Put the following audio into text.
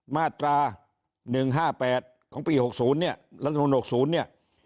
มาตรา๑๕๘ของปี๖๐เนี่ยรัฐมนุน๖๐เนี่ย